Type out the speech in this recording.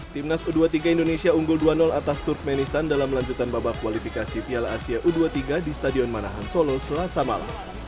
timnas u dua puluh tiga indonesia unggul dua atas turkmenistan dalam lanjutan babak kualifikasi piala asia u dua puluh tiga di stadion manahan solo selasa malam